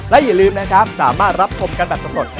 และอย่าลืมนะครับสามารถรับคมการแบบสมมติ